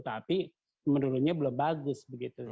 tapi menurunnya belum bagus begitu